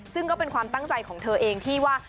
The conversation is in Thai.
ซึ่งก็เป็นความตั้งใจของเธอเองที่ว่า